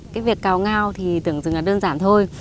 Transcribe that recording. cái việc cào ngao thì tưởng rằng là đơn giản thôi